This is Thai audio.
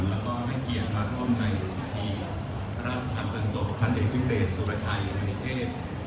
และก็ได้เกียรติมาร่วมในภาพที่รักษณฑรรมเป็นโสดภัณฑ์วิเศษสุรไทยมนิเทศ